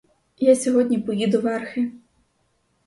Я сьогодні поїду верхи.